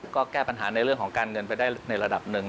ก็แก้ปัญหาในเรื่องของการเงินไปได้ในระดับหนึ่ง